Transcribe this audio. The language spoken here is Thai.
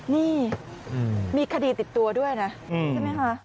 นี่มีคดีติดตัวด้วยนะใช่ไหมคะ